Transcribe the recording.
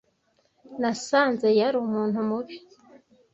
Nasanze yari umuntu mubi.